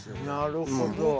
なるほど。